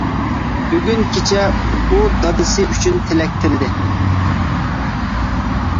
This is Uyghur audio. بۈگۈن كېچە ئۇ دادىسى ئۈچۈن تىلەك تىلىدى.